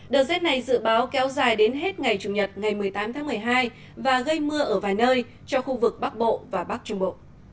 đợt rét này dự báo kéo dài đến hết ngày chủ nhật ngày một mươi tám tháng một mươi hai và gây mưa ở vài nơi cho khu vực bắc bộ và bắc trung bộ